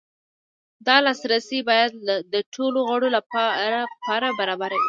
دا لاسرسی باید د ټولو غړو لپاره برابر وي.